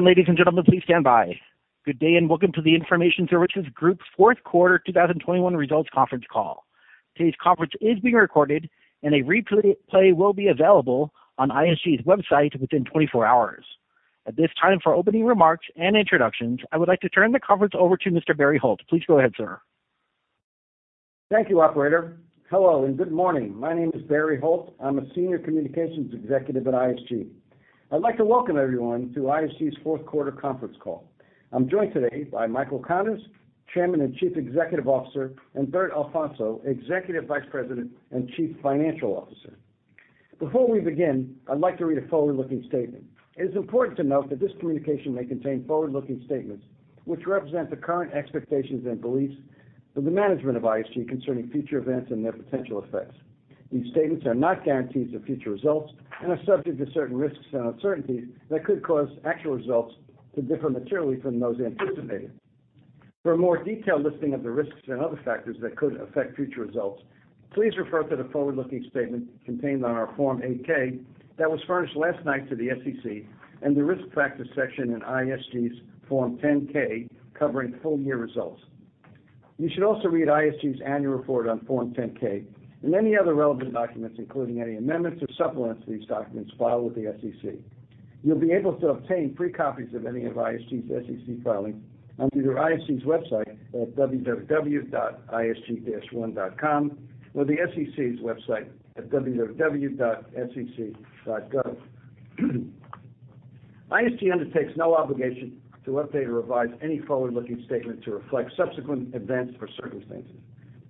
Ladies and gentlemen, please stand by. Good day and welcome to the Information Services Group's fourth quarter 2021 results conference call. Today's conference is being recorded, and a replay will be available on ISG's website within 24 hours. At this time, for opening remarks and introductions, I would like to turn the conference over to Mr. Barry Holt. Please go ahead, sir. Thank you, operator. Hello, and good morning. My name is Barry Holt. I'm a Senior Communications Executive at ISG. I'd like to welcome everyone to ISG's fourth quarter conference call. I'm joined today by Michael Connors, Chairman and Chief Executive Officer, and Humberto Alfonso, Executive Vice President and Chief Financial Officer. Before we begin, I'd like to read a forward-looking statement. It is important to note that this communication may contain forward-looking statements, which represent the current expectations and beliefs of the management of ISG concerning future events and their potential effects. These statements are not guarantees of future results and are subject to certain risks and uncertainties that could cause actual results to differ materially from those anticipated. For a more detailed listing of the risks and other factors that could affect future results, please refer to the forward-looking statement contained on our Form 8-K that was furnished last night to the SEC and the Risk Factors section in ISG's Form 10-K covering full year results. You should also read ISG's annual report on Form 10-K and any other relevant documents, including any amendments or supplements to these documents filed with the SEC. You'll be able to obtain free copies of any of ISG's SEC filings from either ISG's website at www.isg-one.com or the SEC's website at www.sec.gov. ISG undertakes no obligation to update or revise any forward-looking statement to reflect subsequent events or circumstances.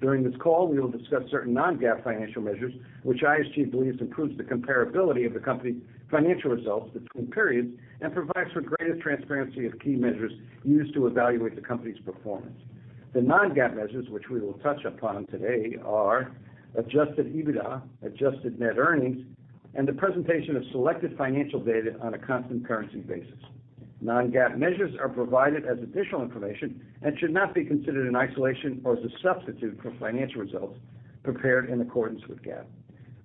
During this call, we will discuss certain non-GAAP financial measures, which ISG believes improves the comparability of the company financial results between periods and provides for greater transparency of key measures used to evaluate the company's performance. The non-GAAP measures, which we will touch upon today are adjusted EBITDA, adjusted net income, and the presentation of selected financial data on a constant currency basis. Non-GAAP measures are provided as additional information and should not be considered in isolation or as a substitute for financial results prepared in accordance with GAAP.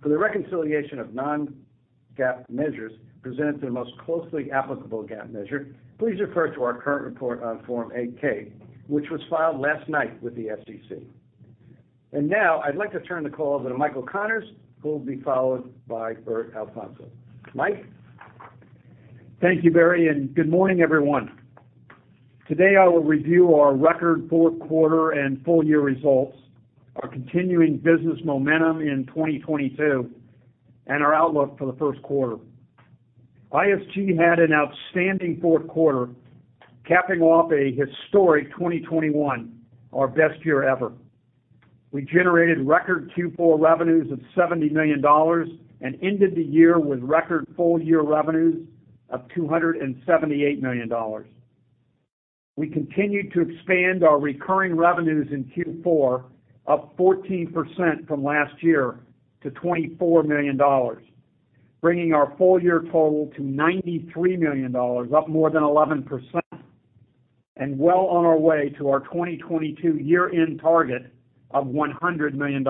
For the reconciliation of non-GAAP measures presented to the most closely applicable GAAP measure, please refer to our current report on Form 8-K, which was filed last night with the SEC. Now I'd like to turn the call over to Michael Connors, who will be followed by Humberto Alfonso. Mike? Thank you, Barry, and good morning, everyone. Today, I will review our record fourth quarter and full year results, our continuing business momentum in 2022, and our outlook for the first quarter. ISG had an outstanding fourth quarter, capping off a historic 2021, our best year ever. We generated record Q4 revenues of $70 million and ended the year with record full-year revenues of $278 million. We continued to expand our recurring revenues in Q4, up 14% from last year to $24 million, bringing our full year total to $93 million, up more than 11%, and well on our way to our 2022 year-end target of $100 million.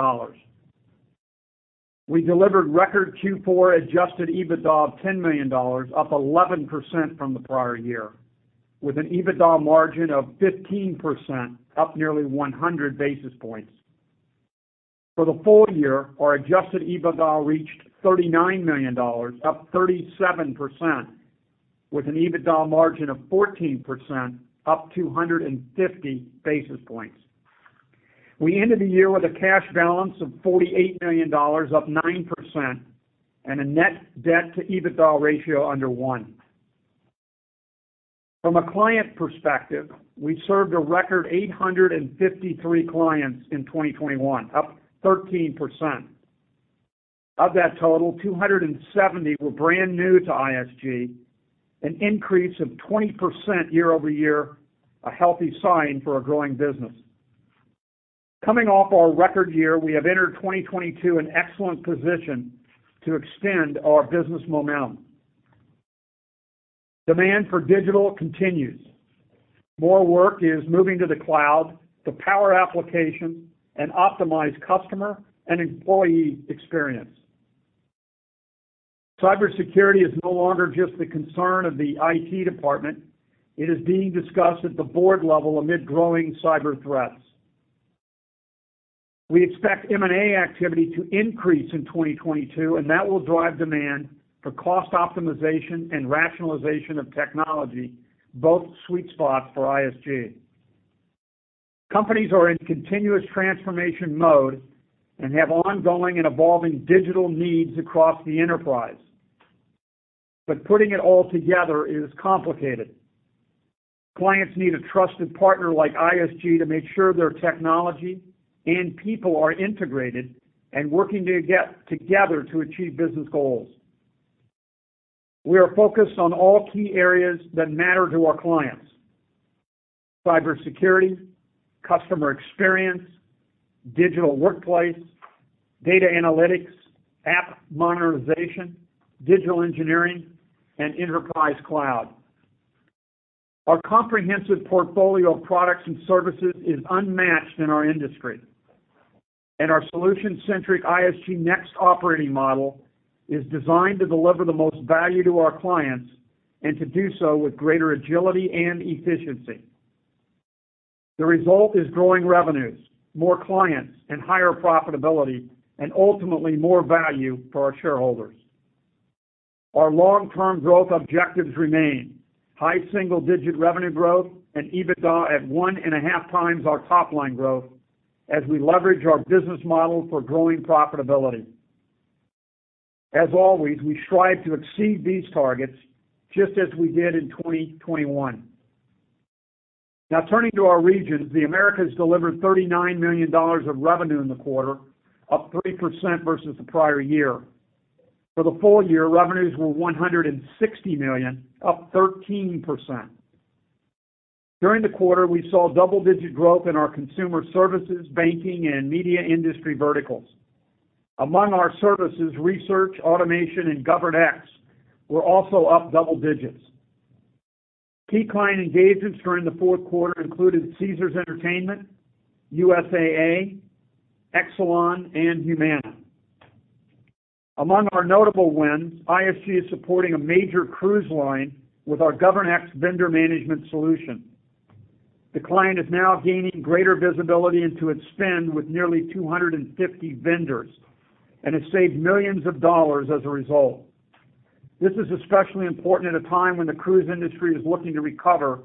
We delivered record Q4 adjusted EBITDA of $10 million, up 11% from the prior year, with an EBITDA margin of 15%, up nearly 100 basis points. For the full year, our adjusted EBITDA reached $39 million, up 37%, with an EBITDA margin of 14%, up 250 basis points. We ended the year with a cash balance of $48 million, up 9%, and a net debt to EBITDA ratio under one. From a client perspective, we served a record 853 clients in 2021, up 13%. Of that total, 270 were brand new to ISG, an increase of 20% year over year, a healthy sign for our growing business. Coming off our record year, we have entered 2022 in excellent position to extend our business momentum. Demand for digital continues. More work is moving to the cloud to power applications and optimize customer and employee experience. Cybersecurity is no longer just the concern of the IT department. It is being discussed at the board level amid growing cyber threats. We expect M&A activity to increase in 2022, and that will drive demand for cost optimization and rationalization of technology, both sweet spots for ISG. Companies are in continuous transformation mode and have ongoing and evolving digital needs across the enterprise. Putting it all together is complicated. Clients need a trusted partner like ISG to make sure their technology and people are integrated and working together to achieve business goals. We are focused on all key areas that matter to our clients: cybersecurity, customer experience, digital workplace, data analytics, app modernization, digital engineering, and enterprise cloud. Our comprehensive portfolio of products and services is unmatched in our industry, and our solution-centric ISG NEXT operating model is designed to deliver the most value to our clients and to do so with greater agility and efficiency. The result is growing revenues, more clients, and higher profitability, and ultimately more value for our shareholders. Our long-term growth objectives remain high single-digit revenue growth and EBITDA at 1.5 times our top-line growth as we leverage our business model for growing profitability. As always, we strive to exceed these targets just as we did in 2021. Now turning to our regions, the Americas delivered $39 million of revenue in the quarter, up 3% versus the prior year. For the full year, revenues were $160 million, up 13%. During the quarter, we saw double-digit growth in our consumer services, banking, and media industry verticals. Among our services, research, automation, and GovernX were also up double digits. Key client engagements during the fourth quarter included Caesars Entertainment, USAA, Exelon, and Humana. Among our notable wins, ISG is supporting a major cruise line with our GovernX vendor management solution. The client is now gaining greater visibility into its spend with nearly 250 vendors, and has saved millions of dollars as a result. This is especially important at a time when the cruise industry is looking to recover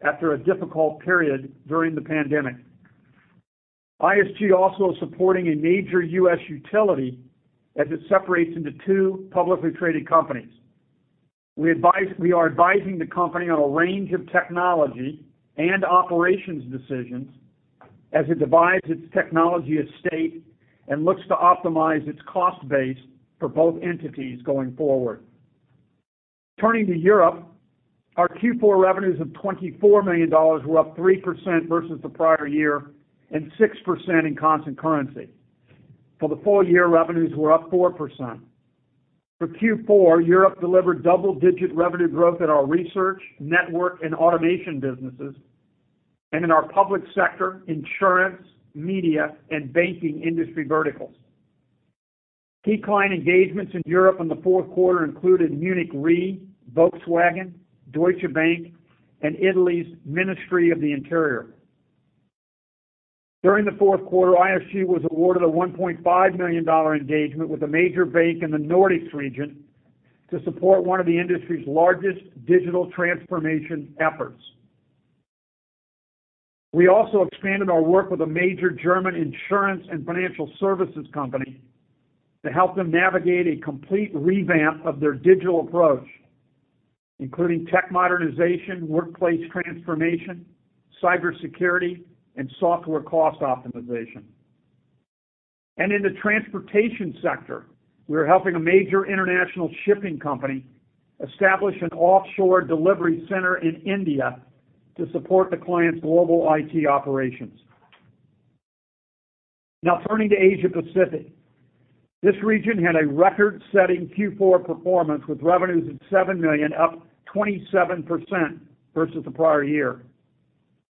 after a difficult period during the pandemic. ISG also is supporting a major U.S. utility as it separates into two publicly traded companies. We are advising the company on a range of technology and operations decisions as it divides its technology estate and looks to optimize its cost base for both entities going forward. Turning to Europe, our Q4 revenues of $24 million were up 3% versus the prior year and 6% in constant currency. For the full year, revenues were up 4%. For Q4, Europe delivered double-digit revenue growth in our research, network, and automation businesses, and in our public sector, insurance, media, and banking industry verticals. Key client engagements in Europe in the fourth quarter included Munich Re, Volkswagen, Deutsche Bank, and Italy's Ministry of the Interior. During the fourth quarter, ISG was awarded a $1.5 million engagement with a major bank in the Nordics region to support one of the industry's largest digital transformation efforts. We also expanded our work with a major German insurance and financial services company to help them navigate a complete revamp of their digital approach, including tech modernization, workplace transformation, cybersecurity, and software cost optimization. In the transportation sector, we are helping a major international shipping company establish an offshore delivery center in India to support the client's global IT operations. Now turning to Asia Pacific, this region had a record-setting Q4 performance with revenues of $7 million, up 27% versus the prior year,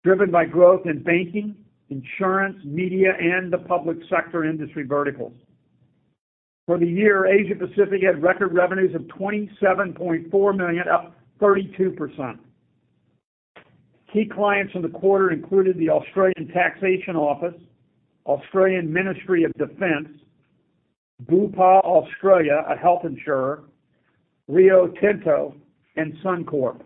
driven by growth in banking, insurance, media, and the public sector industry verticals. For the year, Asia Pacific had record revenues of $27.4 million, up 32%. Key clients in the quarter included the Australian Taxation Office, Australian Department of Defence, Bupa Australia, a health insurer, Rio Tinto, and Suncorp.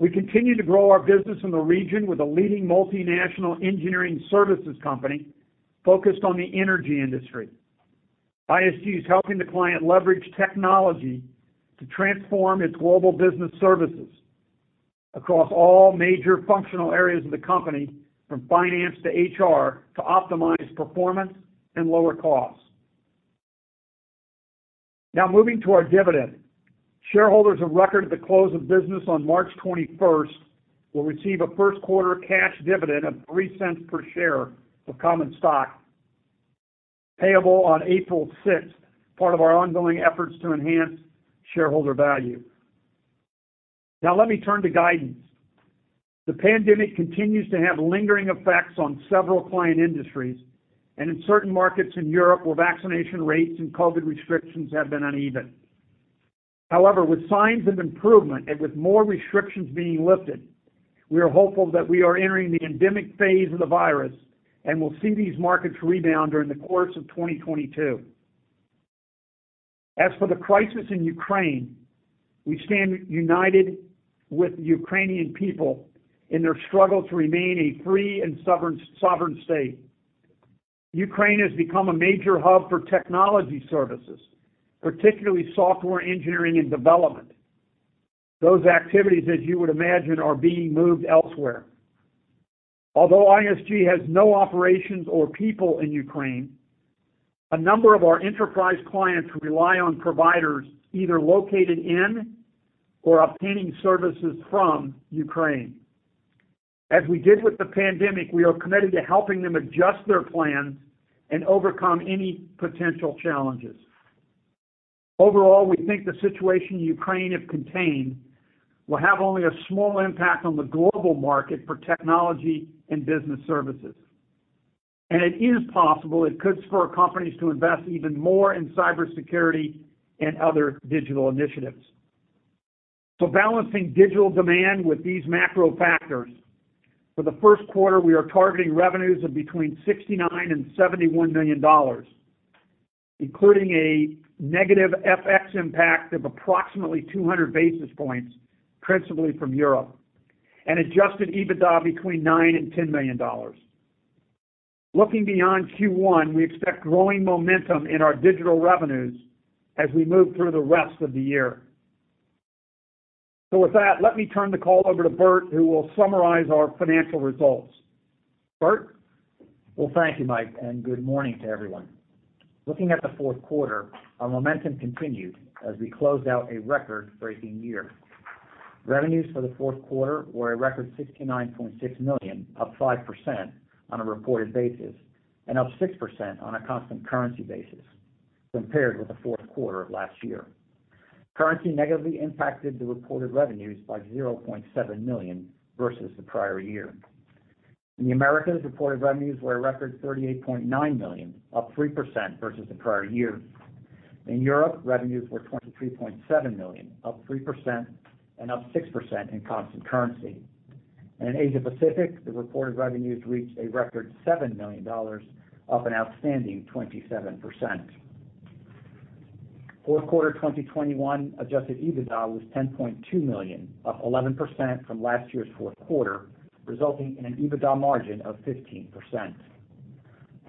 We continue to grow our business in the region with a leading multinational engineering services company focused on the energy industry. ISG is helping the client leverage technology to transform its global business services across all major functional areas of the company, from finance to HR, to optimize performance and lower costs. Now moving to our dividend. Shareholders of record at the close of business on March 21st will receive a first quarter cash dividend of $0.03 per share of common stock payable on April 6th, part of our ongoing efforts to enhance shareholder value. Now let me turn to guidance. The pandemic continues to have lingering effects on several client industries and in certain markets in Europe where vaccination rates and COVID restrictions have been uneven. However, with signs of improvement and with more restrictions being lifted, we are hopeful that we are entering the endemic phase of the virus and will see these markets rebound during the course of 2022. As for the crisis in Ukraine, we stand united with the Ukrainian people in their struggle to remain a free and sovereign state. Ukraine has become a major hub for technology services, particularly software engineering and development. Those activities, as you would imagine, are being moved elsewhere. Although ISG has no operations or people in Ukraine, a number of our enterprise clients rely on providers either located in or obtaining services from Ukraine. As we did with the pandemic, we are committed to helping them adjust their plans and overcome any potential challenges. Overall, we think the situation in Ukraine, if contained, will have only a small impact on the global market for technology and business services. It is possible it could spur companies to invest even more in cybersecurity and other digital initiatives, balancing digital demand with these macro factors. For the first quarter, we are targeting revenues of between $69 million and $71 million, including a negative FX impact of approximately 200 basis points, principally from Europe, and adjusted EBITDA between $9 million and $10 million. Looking beyond Q1, we expect growing momentum in our digital revenues as we move through the rest of the year. With that, let me turn the call over to Bert, who will summarize our financial results. Bert? Well, thank you, Mike, and good morning to everyone. Looking at the fourth quarter, our momentum continued as we closed out a record-breaking year. Revenues for the fourth quarter were a record $69.6 million, up 5% on a reported basis, and up 6% on a constant currency basis compared with the fourth quarter of last year. Currency negatively impacted the reported revenues by $0.7 million versus the prior year. In the Americas, reported revenues were a record $38.9 million, up 3% versus the prior year. In Europe, revenues were $23.7 million, up 3% and up 6% in constant currency. In Asia Pacific, the reported revenues reached a record $7 million, up an outstanding 27%. Fourth quarter 2021 adjusted EBITDA was $10.2 million, up 11% from last year's fourth quarter, resulting in an EBITDA margin of 15%.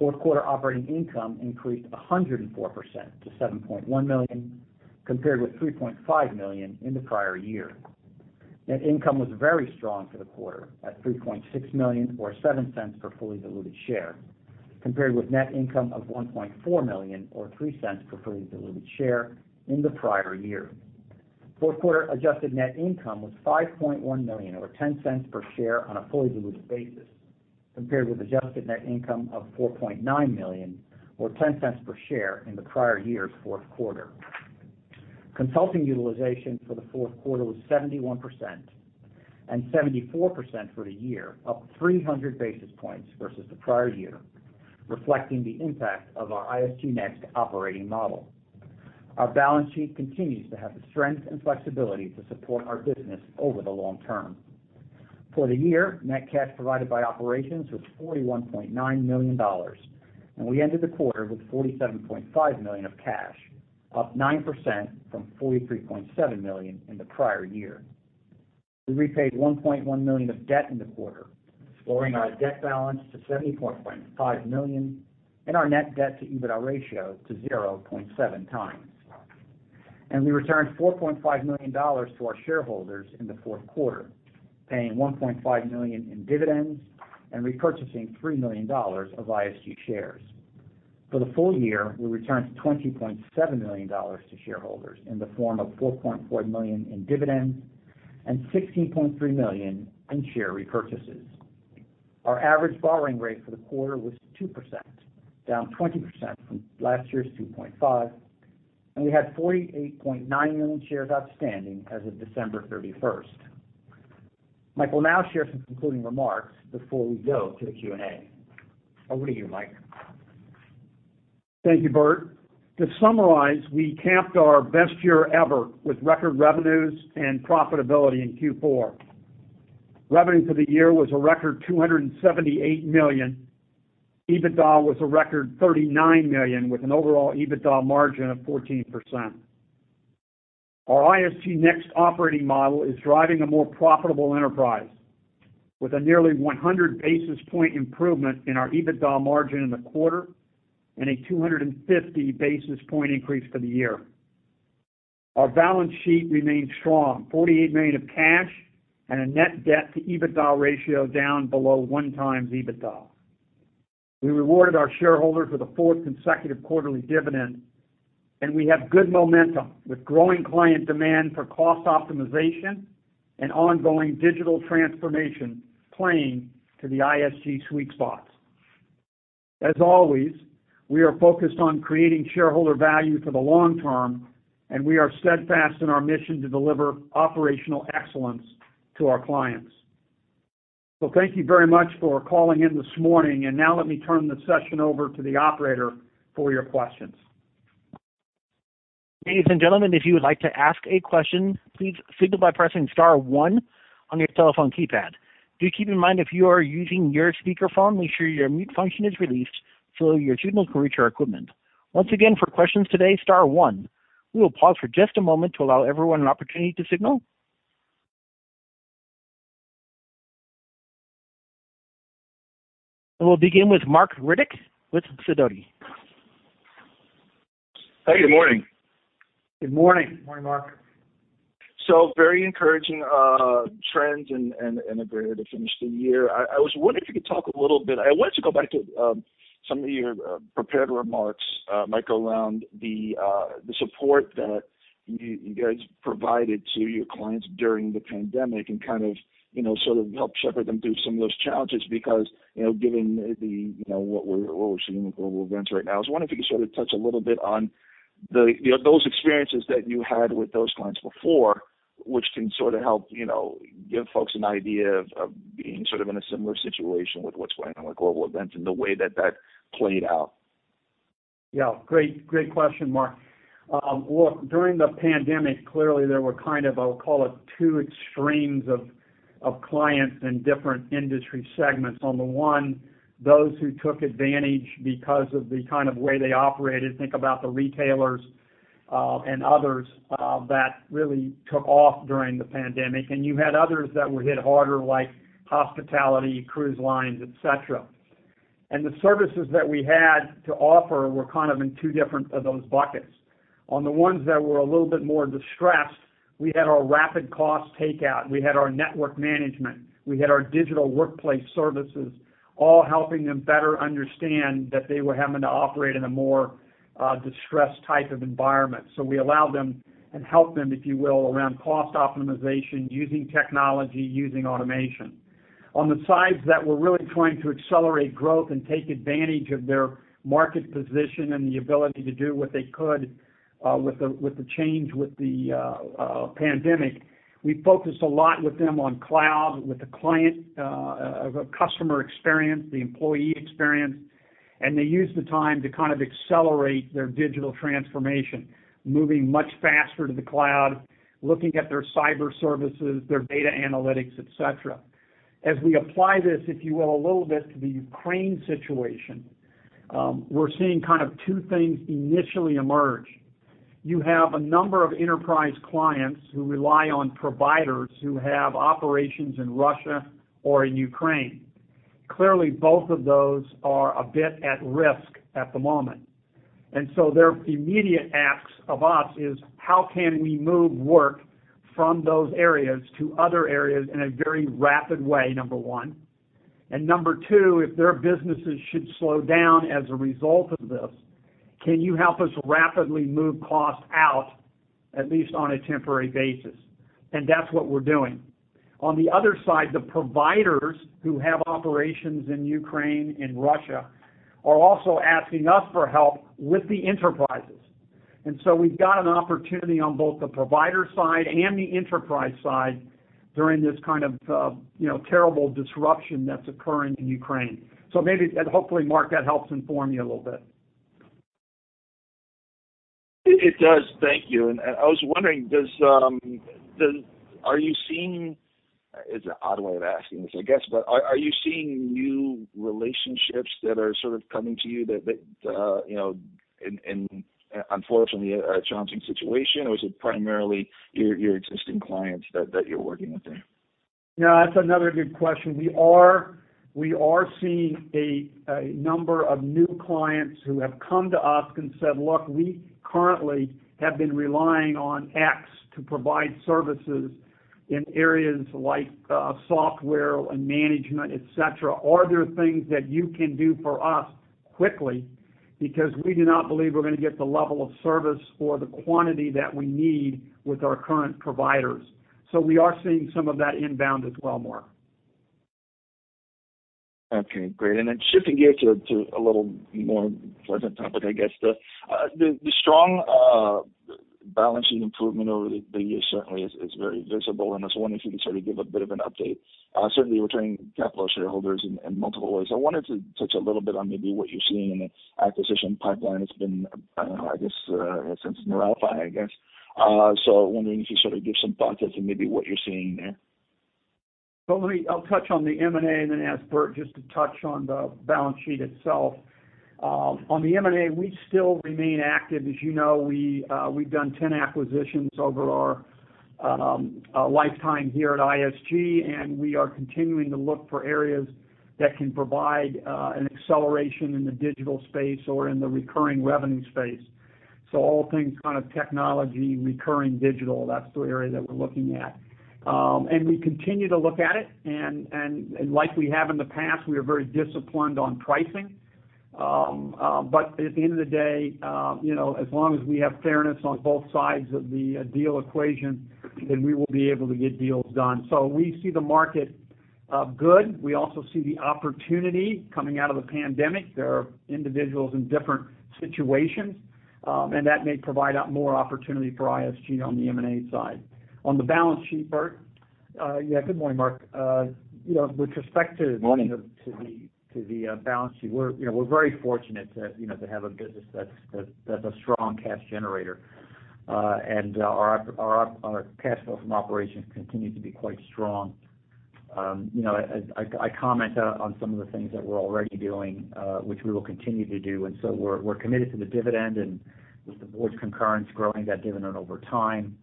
Fourth quarter operating income increased 104% to $7.1 million, compared with $3.5 million in the prior year. Net income was very strong for the quarter at $3.6 million or $0.07 per fully diluted share, compared with net income of $1.4 million or $0.03 per fully diluted share in the prior year. Fourth quarter adjusted net income was $5.1 million or $0.10 per share on a fully diluted basis, compared with adjusted net income of $4.9 million or $0.10 per share in the prior year's fourth quarter. Consulting utilization for the fourth quarter was 71% and 74% for the year, up 300 basis points versus the prior year, reflecting the impact of our ISG NEXT operating model. Our balance sheet continues to have the strength and flexibility to support our business over the long term. For the year, net cash provided by operations was $41.9 million, and we ended the quarter with $47.5 million of cash, up 9% from $43.7 million in the prior year. We repaid $1.1 million of debt in the quarter, lowering our debt balance to $70.5 million and our net debt to EBITDA ratio to 0.7 times. We returned $4.5 million to our shareholders in the fourth quarter, paying $1.5 million in dividends and repurchasing $3 million of ISG shares. For the full year, we returned $20.7 million to shareholders in the form of $4.4 million in dividends and $16.3 million in share repurchases. Our average borrowing rate for the quarter was 2%, down 20% from last year's 2.5, and we had 48.9 million shares outstanding as of December 31st. Mike will now share some concluding remarks before we go to the Q&A. Over to you, Mike. Thank you, Bert. To summarize, we capped our best year ever with record revenues and profitability in Q4. Revenue for the year was a record $278 million. EBITDA was a record $39 million with an overall EBITDA margin of 14%. Our ISG NEXT operating model is driving a more profitable enterprise with a nearly 100 basis point improvement in our EBITDA margin in the quarter and a 250 basis point increase for the year. Our balance sheet remains strong, $48 million of cash and a net debt to EBITDA ratio down below one times EBITDA. We rewarded our shareholders with a fourth consecutive quarterly dividend, and we have good momentum with growing client demand for cost optimization and ongoing digital transformation playing to the ISG sweet spots. As always, we are focused on creating shareholder value for the long term, and we are steadfast in our mission to deliver operational excellence to our clients. Thank you very much for calling in this morning. Now let me turn the session over to the operator for your questions. Ladies and gentlemen, if you would like to ask a question, please signal by pressing star one on your telephone keypad. Do keep in mind, if you are using your speakerphone, make sure your mute function is released so your signals can reach our equipment. Once again, for questions today, star one. We will pause for just a moment to allow everyone an opportunity to signal. We'll begin with Marc Riddick with Sidoti & Company. Hey, good morning. Good morning. Morning, Marc. Very encouraging trends and a way to finish the year. I wanted to go back to some of your prepared remarks, Mike, around the support that you guys provided to your clients during the pandemic and kind of, you know, sort of helped shepherd them through some of those challenges because, you know, given the, you know, what we're seeing with global events right now. I was wondering if you could sort of touch a little bit on the, you know, those experiences that you had with those clients before, which can sort of help, you know, give folks an idea of being sort of in a similar situation with what's going on with global events and the way that played out. Yeah. Great question, Marc. During the pandemic, clearly there were kind of, I'll call it two extremes of clients in different industry segments. On the one, those who took advantage because of the kind of way they operated, think about the retailers, and others, that really took off during the pandemic. You had others that were hit harder like hospitality, cruise lines, et cetera. The services that we had to offer were kind of in two different of those buckets. On the ones that were a little bit more distressed, we had our rapid cost takeout, we had our network management, we had our digital workplace services, all helping them better understand that they were having to operate in a more distressed type of environment. We allowed them and helped them, if you will, around cost optimization using technology, using automation. On the sides that were really trying to accelerate growth and take advantage of their market position and the ability to do what they could with the change with the pandemic, we focused a lot with them on cloud, with the customer experience, the employee experience, and they used the time to kind of accelerate their digital transformation, moving much faster to the cloud, looking at their cyber services, their data analytics, et cetera. As we apply this, if you will, a little bit to the Ukraine situation, we're seeing kind of two things initially emerge. You have a number of enterprise clients who rely on providers who have operations in Russia or in Ukraine. Clearly, both of those are a bit at risk at the moment. Their immediate asks of us is, "How can we move work from those areas to other areas in a very rapid way," number one. Number two, "If their businesses should slow down as a result of this, can you help us rapidly move costs out at least on a temporary basis?" That's what we're doing. On the other side, the providers who have operations in Ukraine and Russia are also asking us for help with the enterprises. We've got an opportunity on both the provider side and the enterprise side during this kind of, you know, terrible disruption that's occurring in Ukraine. Maybe, and hopefully, Marc, that helps inform you a little bit. It does. Thank you. I was wondering. It's an odd way of asking this, I guess, but are you seeing new relationships that are sort of coming to you that you know, in, unfortunately, a challenging situation, or is it primarily your existing clients that you're working with there? No, that's another good question. We are seeing a number of new clients who have come to us and said, "Look, we currently have been relying on X to provide services in areas like software and management, et cetera. Are there things that you can do for us quickly because we do not believe we're gonna get the level of service or the quantity that we need with our current providers?" So we are seeing some of that inbound as well, Marc. Okay, great. Then shifting gears here to a little more pleasant topic, I guess. The strong balance sheet improvement over the year certainly is very visible, and I was wondering if you could sort of give a bit of an update. Certainly returning capital to shareholders in multiple ways. I wanted to touch a little bit on maybe what you're seeing in the acquisition pipeline that's been, I don't know, I guess, since Neuralify, I guess. Wondering if you sort of give some thoughts as to maybe what you're seeing there. Let me touch on the M&A and then ask Bert just to touch on the balance sheet itself. On the M&A, we still remain active. As you know, we've done 10 acquisitions over our lifetime here at ISG, and we are continuing to look for areas that can provide an acceleration in the digital space or in the recurring revenue space. All things kind of technology, recurring digital, that's the area that we're looking at. And we continue to look at it and like we have in the past, we are very disciplined on pricing. But at the end of the day, you know, as long as we have fairness on both sides of the deal equation, then we will be able to get deals done. We see the market good. We also see the opportunity coming out of the pandemic. There are individuals in different situations, and that may provide us more opportunity for ISG on the M&A side. On the balance sheet, Bert? Yeah, good morning, Marc. You know, with respect to Morning to the balance sheet, we're, you know, very fortunate to, you know, to have a business that's a strong cash generator. Our cash flow from operations continue to be quite strong. You know, I comment on some of the things that we're already doing, which we will continue to do. We're committed to the dividend and with the board's concurrence growing that dividend over time.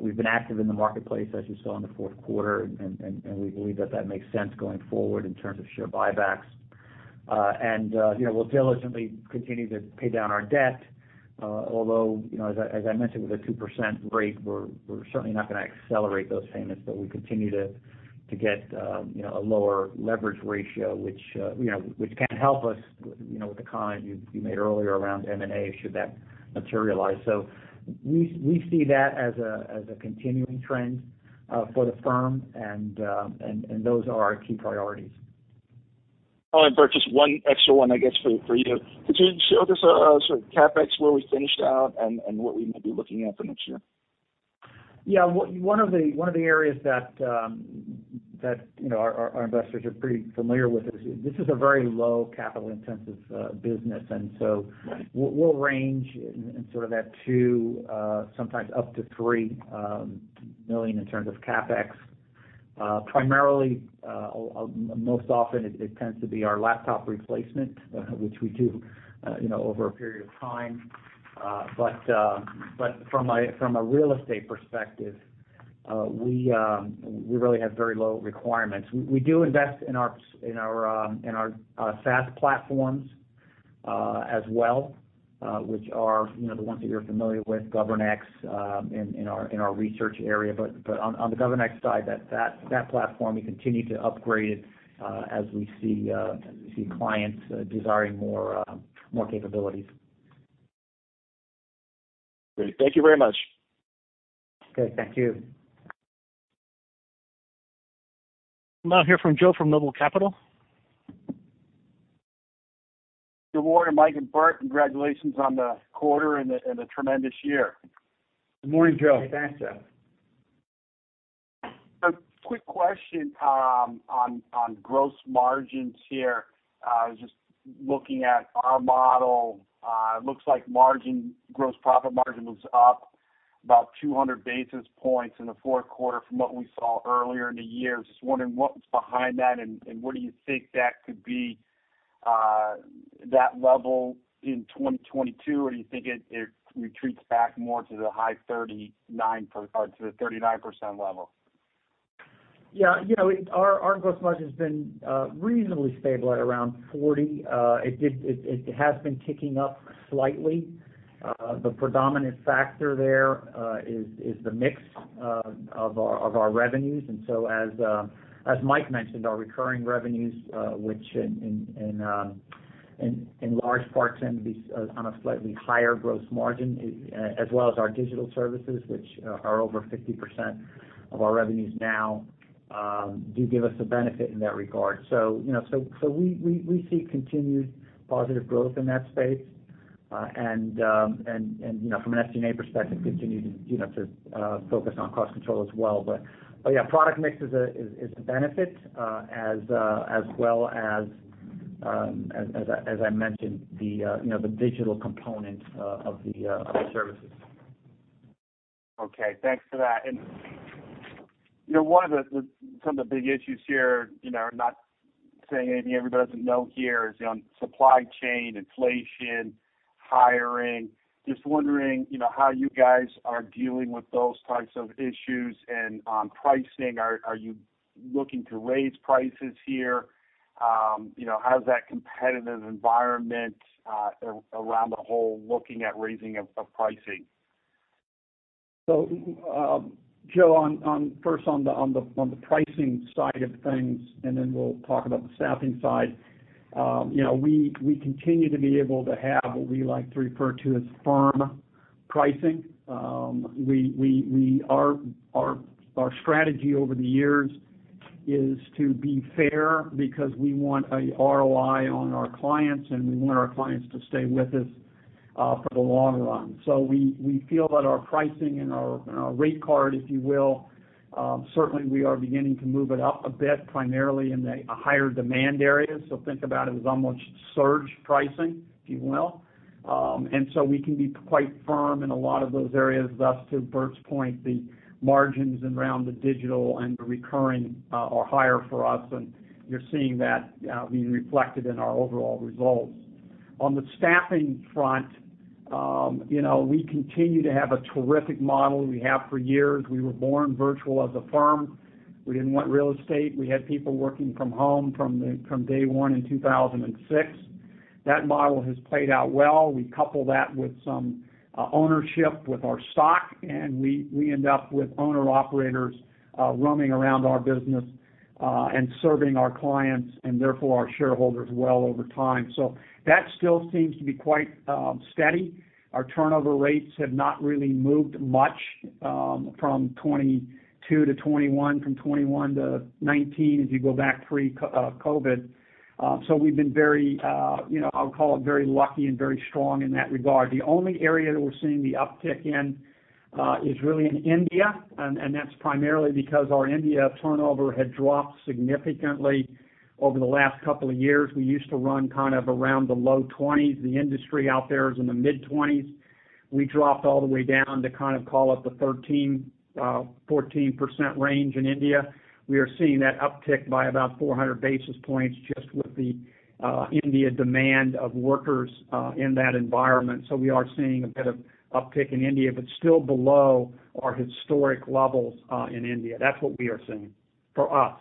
We've been active in the marketplace as you saw in the fourth quarter and we believe that makes sense going forward in terms of share buybacks. You know, we'll diligently continue to pay down our debt. Although, you know, as I mentioned, with a 2% rate, we're certainly not gonna accelerate those payments, but we continue to get a lower leverage ratio, which can help us with the comment you made earlier around M&A should that materialize. We see that as a continuing trend for the firm and those are our key priorities. All right, Bert, just one extra one, I guess, for you. Could you show us sort of CapEx where we finished out and what we might be looking at for next year? Yeah. One of the areas that, you know, our investors are pretty familiar with is this is a very low capital intensive business. We'll range in sort of that $2 million, sometimes up to $3 million, in terms of CapEx. Primarily, most often it tends to be our laptop replacement, which we do, you know, over a period of time. From a real estate perspective, we really have very low requirements. We do invest in our SaaS platforms, as well, which are, you know, the ones that you're familiar with, GovernX, in our research area. on the GovernX side, that platform we continue to upgrade it, as we see clients desiring more capabilities. Great. Thank you very much. Okay. Thank you. Now hear from Joe from Noble Capital. Good morning, Mike and Burt. Congratulations on the quarter and the tremendous year. Good morning, Joe. Hey, thanks, Joe. A quick question, on gross margins here. Just looking at our model, looks like margin, gross profit margin was up about 200 basis points in the fourth quarter from what we saw earlier in the year. Just wondering what was behind that, and where do you think that could be, that level in 2022? Or do you think it retreats back more to the high 39% or to the 39% level? Yeah. You know, our gross margin's been reasonably stable at around 40%. It has been ticking up slightly. The predominant factor there is the mix of our revenues. As Mike mentioned, our recurring revenues, which in large parts tend to be on a slightly higher gross margin, as well as our digital services, which are over 50% of our revenues now, do give us a benefit in that regard. You know, we see continued positive growth in that space. And you know, from an SG&A perspective, we continue to focus on cost control as well. Yeah, product mix is a benefit, as well as I mentioned, you know, the digital component of the services. Okay, thanks for that. You know, one of the big issues here, you know, I'm not saying anything everybody doesn't know here, is, you know, supply chain, inflation, hiring. Just wondering, you know, how you guys are dealing with those types of issues. On pricing, are you looking to raise prices here? You know, how's that competitive environment around the world looking at raising of pricing? Joe, first on the pricing side of things, and then we'll talk about the staffing side. You know, our strategy over the years is to be fair because we want a ROI on our clients, and we want our clients to stay with us for the long run. We feel that our pricing and our rate card, if you will, certainly we are beginning to move it up a bit, primarily in the higher demand areas. Think about it as almost surge pricing, if you will. We can be quite firm in a lot of those areas. Thus, to Bert's point, the margins around the digital and the recurring are higher for us, and you're seeing that being reflected in our overall results. On the staffing front, you know, we continue to have a terrific model. We have for years. We were born virtual as a firm. We didn't want real estate. We had people working from home from day one in 2006. That model has played out well. We couple that with some ownership with our stock, and we end up with owner-operators roaming around our business and serving our clients and therefore our shareholders well over time. That still seems to be quite steady. Our turnover rates have not really moved much from 2022 to 2021, from 2021 to 2019 as you go back pre-COVID. We've been very, you know, I'll call it very lucky and very strong in that regard. The only area that we're seeing the uptick in is really in India, and that's primarily because our India turnover had dropped significantly over the last couple of years. We used to run kind of around the low 20s%. The industry out there is in the mid-20s%. We dropped all the way down to kind of call it the 13% to 14% range in India. We are seeing that uptick by about 400 basis points just with the India demand of workers in that environment. We are seeing a bit of uptick in India, but still below our historic levels in India. That's what we are seeing for us.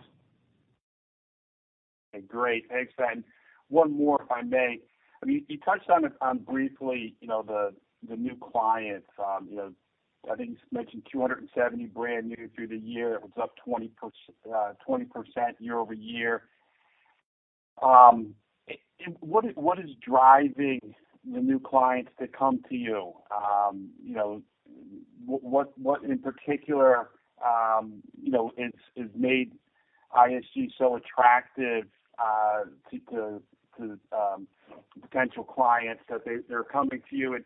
Great. Thanks, Michael. One more, if I may. I mean, you touched on it briefly, you know, the new clients, you know, I think you mentioned 270 brand new through the year, it was up 20% year-over-year. What is driving the new clients to come to you? You know, what in particular has made ISG so attractive to potential clients that they're coming to you?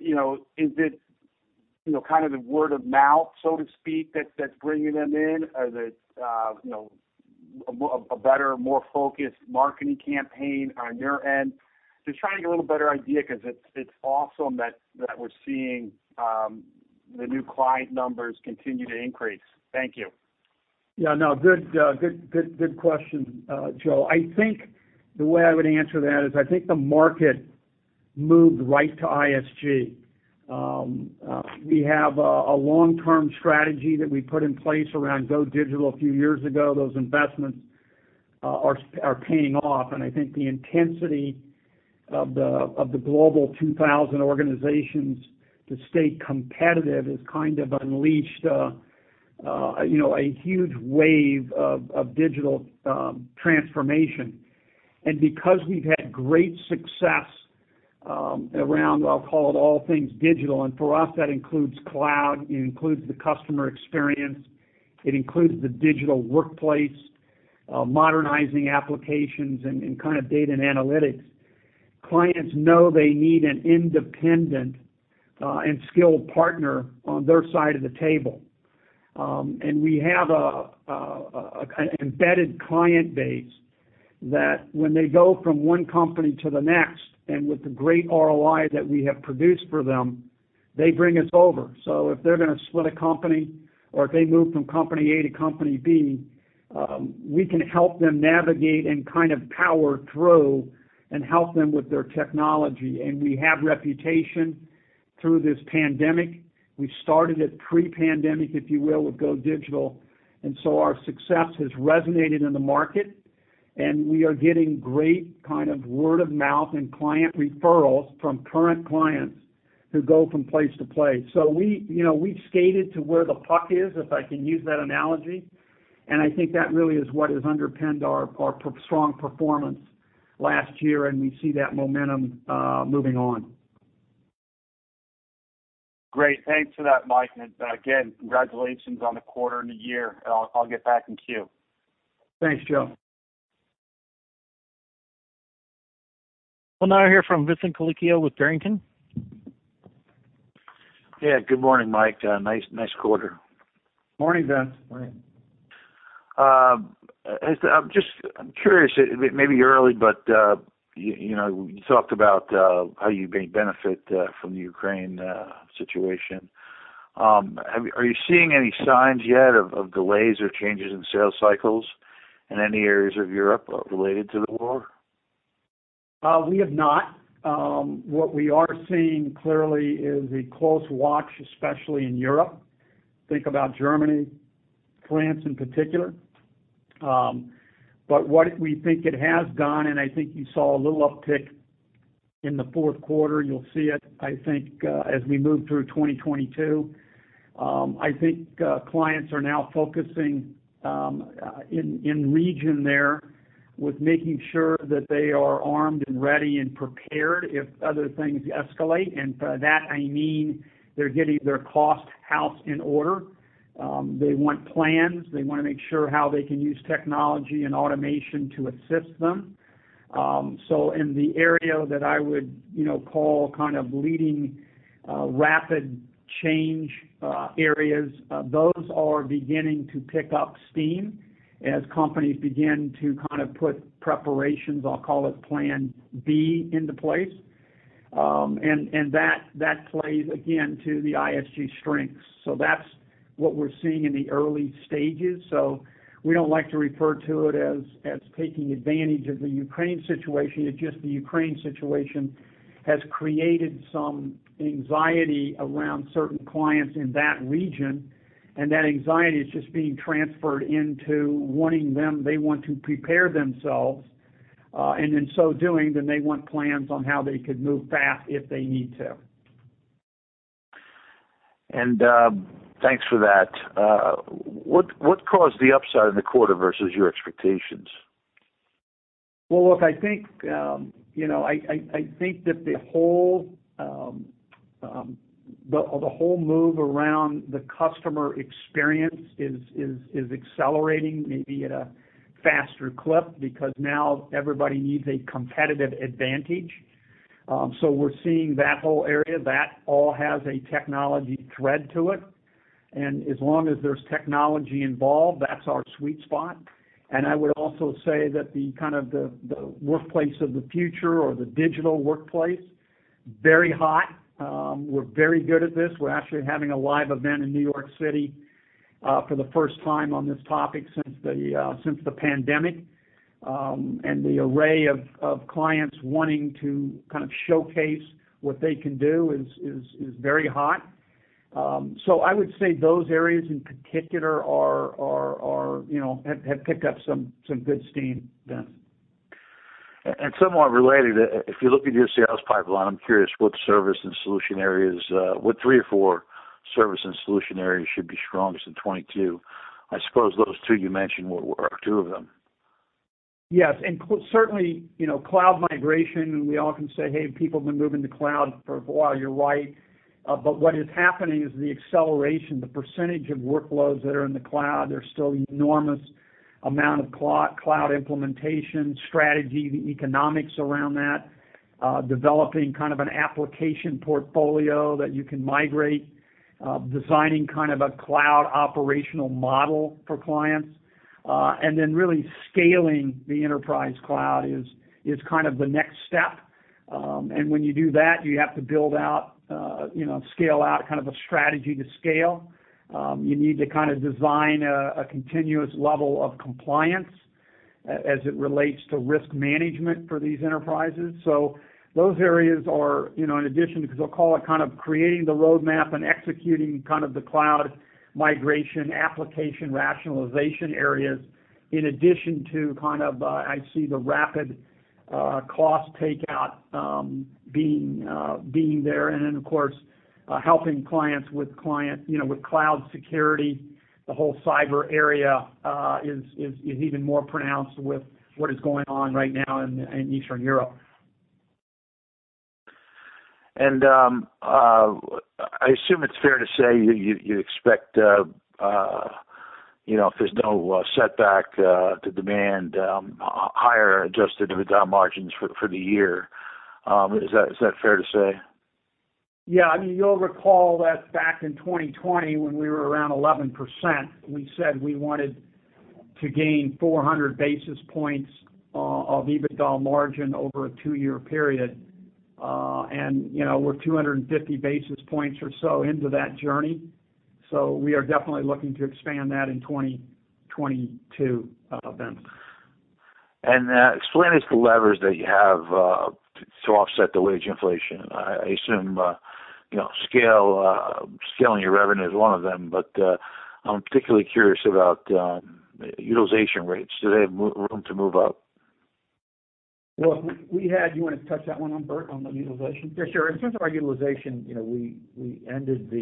You know, is it kind of the word of mouth, so to speak, that's bringing them in? Is it a better, more focused marketing campaign on your end? Just trying to get a little better idea because it's awesome that we're seeing the new client numbers continue to increase. Thank you. Yeah, no. Good question, Joe. I think the way I would answer that is, I think the market moved right to ISG. We have a long-term strategy that we put in place around Go Digital a few years ago. Those investments are paying off. I think the intensity of the global 2000 organizations to stay competitive has kind of unleashed you know a huge wave of digital transformation. Because we've had great success around, I'll call it all things digital, and for us that includes cloud, it includes the customer experience, it includes the digital workplace, modernizing applications and kind of data and analytics. Clients know they need an independent and skilled partner on their side of the table. We have a kind of embedded client base that when they go from one company to the next, and with the great ROI that we have produced for them, they bring us over. If they're gonna split a company, or if they move from company A to company B, we can help them navigate and kind of power through and help them with their technology. We have a reputation through this pandemic. We started it pre-pandemic, if you will, with Go Digital. Our success has resonated in the market, and we are getting great kind of word-of-mouth and client referrals from current clients who go from place to place. We, you know, we've skated to where the puck is, if I can use that analogy. I think that really is what has underpinned our strong performance last year, and we see that momentum moving on. Great. Thanks for that, Mike. Again, congratulations on the quarter and the year, and I'll get back in queue. Thanks, Joe. We'll now hear from Vincent Colicchio with Barrington Research Associates. Yeah. Good morning, Mike. Nice quarter. Morning, Vin. Morning. I'm just curious, it may be early, but you know, you talked about how you may benefit from the Ukraine situation. Are you seeing any signs yet of delays or changes in sales cycles in any areas of Europe related to the war? We have not. What we are seeing clearly is a close watch, especially in Europe. Think about Germany, France in particular. What we think it has done, and I think you saw a little uptick in the fourth quarter, you'll see it, I think, as we move through 2022. I think clients are now focusing in the region there with making sure that they are armed and ready and prepared if other things escalate. By that, I mean they're getting their house in order. They want plans. They want to make sure how they can use technology and automation to assist them. In the area that I would, you know, call kind of leading, rapid change, areas, those are beginning to pick up steam as companies begin to kind of put preparations, I'll call it plan B, into place. That plays again to the ISG strengths. That's what we're seeing in the early stages. We don't like to refer to it as taking advantage of the Ukraine situation. It's just the Ukraine situation has created some anxiety around certain clients in that region, and that anxiety is just being transferred into wanting them, they want to prepare themselves. In so doing, then they want plans on how they could move fast if they need to. Thanks for that. What caused the upside in the quarter versus your expectations? Well, look, I think, you know, I think that the whole move around the customer experience is accelerating maybe at a faster clip because now everybody needs a competitive advantage. So we're seeing that whole area, that all has a technology thread to it. As long as there's technology involved, that's our sweet spot. I would also say that the kind of the workplace of the future or the digital workplace, very hot. We're very good at this. We're actually having a live event in New York City for the first time on this topic since the pandemic. The array of clients wanting to kind of showcase what they can do is very hot. I would say those areas in particular are, you know, have picked up some good steam, Vince. Somewhat related, if you look at your sales pipeline, I'm curious what three or four service and solution areas should be strongest in 2022? I suppose those two you mentioned were two of them. Yes. Certainly, you know, cloud migration, and we often say, "Hey, people have been moving to cloud for a while," you're right. What is happening is the acceleration, the percentage of workloads that are in the cloud, there's still enormous amount of cloud implementation strategy, the economics around that, developing kind of an application portfolio that you can migrate, designing kind of a cloud operational model for clients, and then really scaling the enterprise cloud is kind of the next step. When you do that, you have to build out, you know, scale out kind of a strategy to scale. You need to kind of design a continuous level of compliance as it relates to risk management for these enterprises. Those areas are, you know, in addition, because they'll call it kind of creating the roadmap and executing kind of the cloud migration application rationalization areas, in addition to kind of I see the rapid cost takeout being there, and then of course helping clients with, you know, cloud security. The whole cyber area is even more pronounced with what is going on right now in Eastern Europe. I assume it's fair to say you expect, you know, if there's no setback to demand, higher adjusted EBITDA margins for the year. Is that fair to say? Yeah. I mean, you'll recall that back in 2020, when we were around 11%, we said we wanted to gain 400 basis points of EBITDA margin over a two-year period. You know, we're 250 basis points or so into that journey. We are definitely looking to expand that in 2022, Vince. Explain to us the levers that you have to offset the wage inflation. I assume you know scaling your revenue is one of them. I'm particularly curious about utilization rates. Do they have room to move up? Well, you wanna touch that one on, Bert, on the utilization? Yeah, sure. In terms of our utilization, you know, we ended the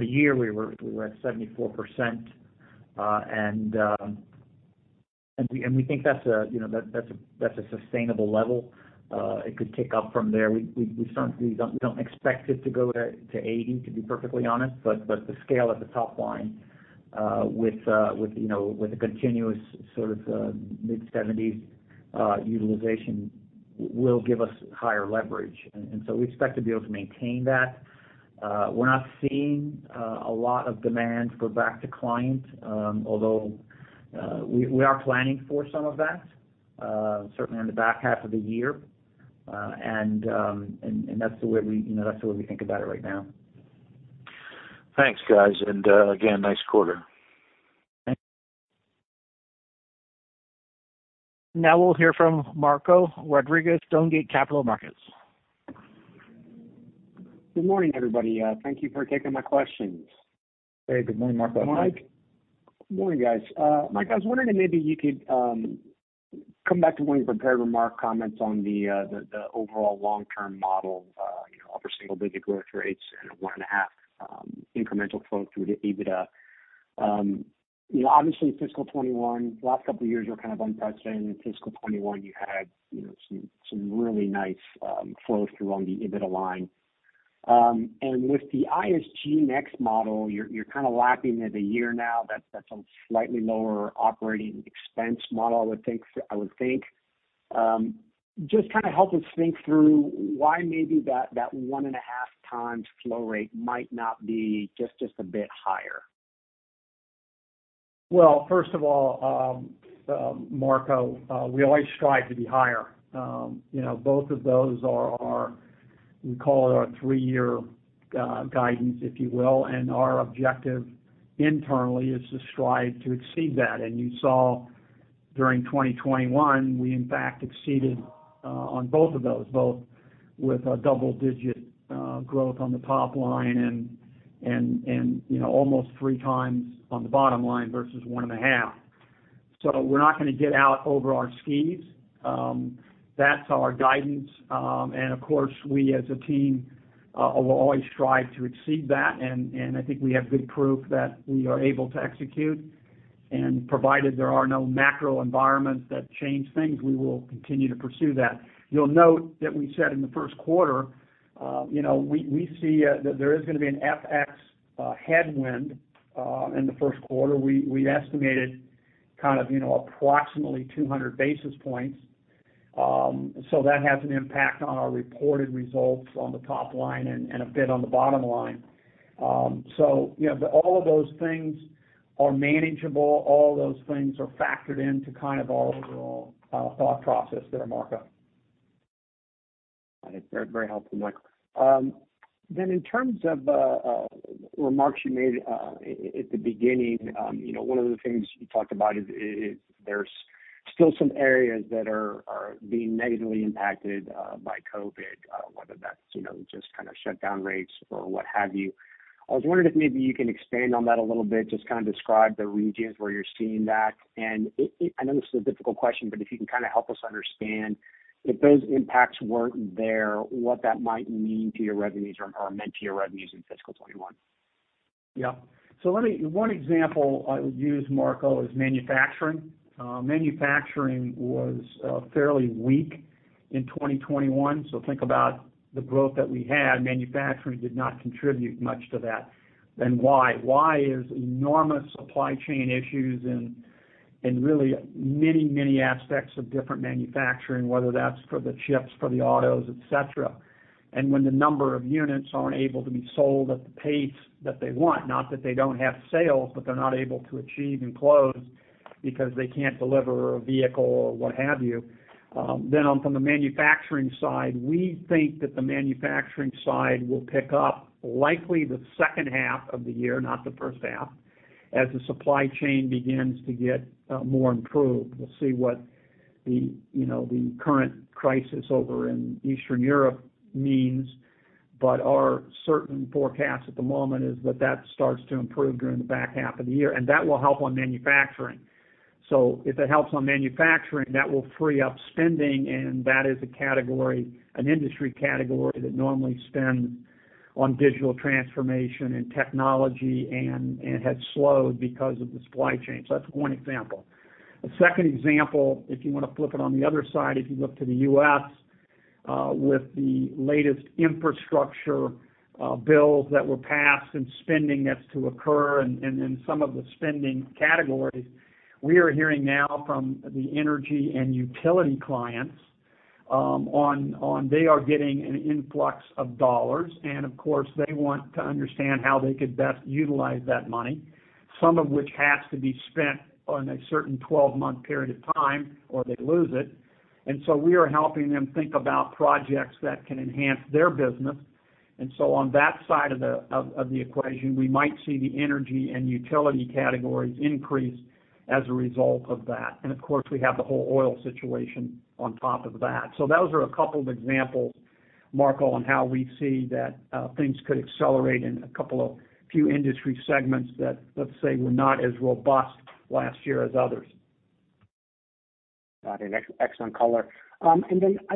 year at 74%, and we think that's a sustainable level. It could tick up from there. We certainly don't expect it to go to 80%, to be perfectly honest. The scale at the top line with a continuous sort of mid-70s% utilization will give us higher leverage. We expect to be able to maintain that. We're not seeing a lot of demand go back to client, although we are planning for some of that, certainly in the back half of the year. That's the way we think about it right now. Thanks, guys. Again, nice quarter. Thanks. Now we'll hear from Marco Rodriguez, Stonegate Capital Markets. Good morning, everybody. Thank you for taking my questions. Hey. Good morning, Marco. Mike. Good morning, guys. Mike, I was wondering if maybe you could come back to one of your prepared remark comments on the overall long-term model of, you know, upper single-digit growth rates and a 1.5 incremental flow-through to EBITDA. You know, obviously fiscal 2021, the last couple of years were kind of unprecedented. In fiscal 2021, you had, you know, some really nice flow-through on the EBITDA line. With the ISG NEXT model, you're kind of lapping it a year now. That's a slightly lower operating expense model, I would think. Just kind of help us think through why maybe that 1.5 times flow rate might not be just a bit higher. Well, first of all, Marco, we always strive to be higher. You know, both of those are our, we call it our three-year guidance, if you will. Our objective internally is to strive to exceed that. You saw during 2021, we in fact exceeded on both of those, both with a double-digit growth on the top line and, you know, almost 3 times on the bottom line versus 1.5. We're not gonna get out over our skis. That's our guidance. Of course, we as a team will always strive to exceed that. I think we have good proof that we are able to execute. Provided there are no macro environments that change things, we will continue to pursue that. You'll note that we said in the first quarter, you know, we see that there is gonna be an FX headwind in the first quarter. We estimated kind of, you know, approximately 200 basis points. That has an impact on our reported results on the top line and a bit on the bottom line. You know, all of those things are manageable. All those things are factored into kind of our overall thought process there, Marco. Got it. Very, very helpful, Mike. Then in terms of remarks you made at the beginning, you know, one of the things you talked about is there's still some areas that are being negatively impacted by COVID, whether that's, you know, just kinda shutdown rates or what have you. I was wondering if maybe you can expand on that a little bit, just kind of describe the regions where you're seeing that. I know this is a difficult question, but if you can kinda help us understand, if those impacts weren't there, what that might mean to your revenues or meant to your revenues in fiscal 2021. Yeah. One example I would use, Marco, is manufacturing. Manufacturing was fairly weak in 2021, so think about the growth that we had, manufacturing did not contribute much to that. Why? Enormous supply chain issues in really many aspects of different manufacturing, whether that's for the chips, for the autos, et cetera. When the number of units aren't able to be sold at the pace that they want, not that they don't have sales, but they're not able to achieve and close because they can't deliver a vehicle or what have you, then from the manufacturing side, we think that the manufacturing side will pick up likely the second half of the year, not the first half, as the supply chain begins to get more improved. We'll see what the, you know, the current crisis over in Eastern Europe means. Our current forecast at the moment is that that starts to improve during the back half of the year, and that will help on manufacturing. If it helps on manufacturing, that will free up spending, and that is a category, an industry category that normally spend on digital transformation and technology and had slowed because of the supply chain. That's one example. The second example, if you wanna flip it on the other side, if you look to the U.S., with the latest infrastructure bills that were passed and spending that's to occur and in some of the spending categories, we are hearing now from the energy and utility clients on that they are getting an influx of dollars. Of course, they want to understand how they could best utilize that money, some of which has to be spent on a certain 12-month period of time or they lose it. We are helping them think about projects that can enhance their business. On that side of the equation, we might see the energy and utility categories increase as a result of that. Of course, we have the whole oil situation on top of that. Those are a couple of examples, Marco, on how we see that things could accelerate in a couple of few industry segments that, let's say, were not as robust last year as others. Got it. Excellent color. I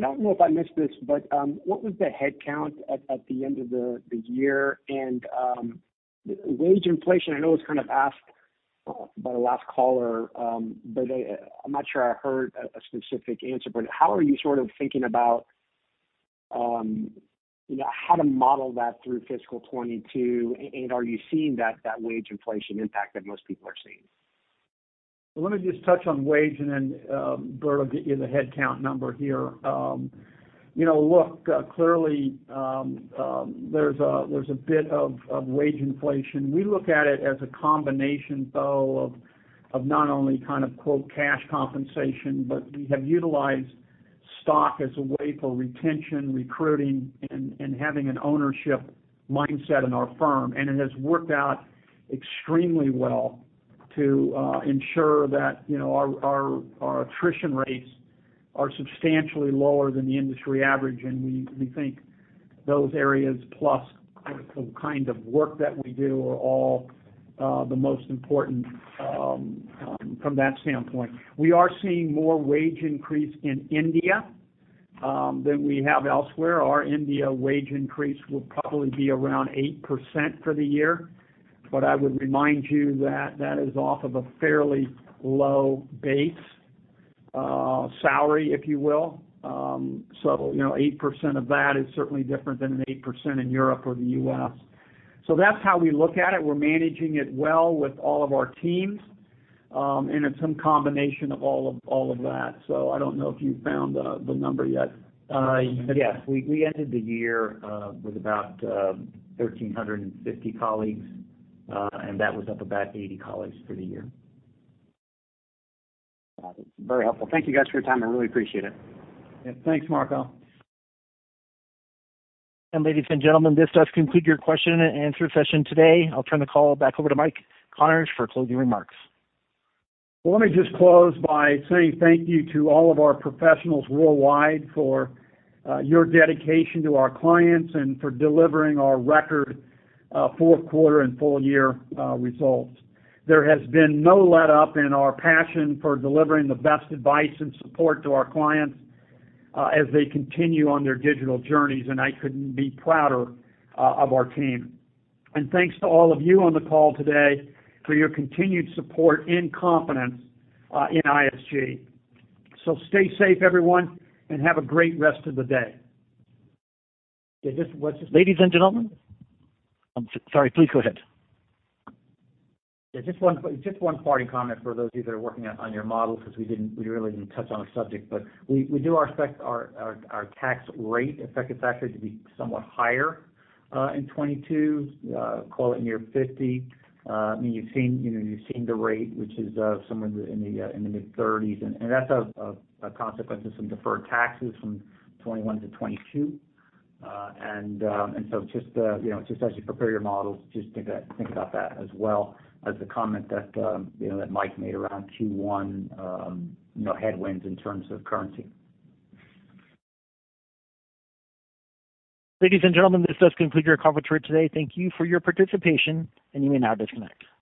don't know if I missed this, but what was the headcount at the end of the year? Wage inflation, I know it was kind of asked by the last caller, but I'm not sure I heard a specific answer. How are you sort of thinking about you know how to model that through fiscal 2022, and are you seeing that wage inflation impact that most people are seeing? Let me just touch on wage and then, Bert will get you the headcount number here. You know, look, clearly, there's a bit of wage inflation. We look at it as a combination though of not only kind of quote cash compensation, but we have utilized stock as a way for retention, recruiting and having an ownership mindset in our firm. It has worked out extremely well to ensure that, you know, our attrition rates are substantially lower than the industry average. We think those areas plus the kind of work that we do are all the most important from that standpoint. We are seeing more wage increase in India than we have elsewhere. Our India wage increase will probably be around 8% for the year. I would remind you that that is off of a fairly low base, salary, if you will. You know, 8% of that is certainly different than an 8% in Europe or the U.S. That's how we look at it. We're managing it well with all of our teams, and it's some combination of all of that. I don't know if you found the number yet. Yes. We ended the year with about 1,350 colleagues, and that was up about 80 colleagues for the year. Got it. Very helpful. Thank you guys for your time. I really appreciate it. Yeah. Thanks, Marco. Ladies and gentlemen, this does conclude your question and answer session today. I'll turn the call back over to Michael Connors for closing remarks. Let me just close by saying thank you to all of our professionals worldwide for your dedication to our clients and for delivering our record fourth quarter and full year results. There has been no letup in our passion for delivering the best advice and support to our clients as they continue on their digital journeys, and I couldn't be prouder of our team. Thanks to all of you on the call today for your continued support and confidence in ISG. Stay safe everyone, and have a great rest of the day. Yeah. Just one- Ladies and gentlemen. I'm sorry, please go ahead. Yeah, just one parting comment for those of you that are working on your models 'cause we really didn't touch on the subject. We do expect our effective tax rate to be somewhat higher in 2022, call it near 50%. I mean, you know, you've seen the rate, which is somewhere in the mid-30s%, and that's a consequence of some deferred taxes from 2021 to 2022. Just, you know, just as you prepare your models, think about that as well as the comment that Mike made around Q1, headwinds in terms of currency. Ladies and gentlemen, this does conclude our conference for today. Thank you for your participation, and you may now disconnect.